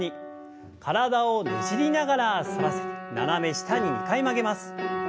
体をねじりながら反らせて斜め下に２回曲げます。